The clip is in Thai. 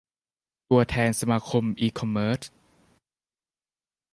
ตัวแทนสมาคมอีคอมเมิร์ช